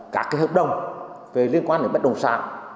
các hợp đồng liên quan đến bất đồng sản